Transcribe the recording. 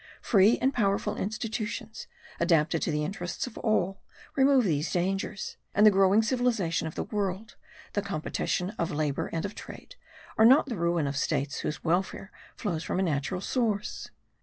Free and powerful institutions, adapted to the interests of all, remove these dangers; and the growing civilization of the world, the competition of labour and of trade, are not the ruin of states whose welfare flows from a natural source.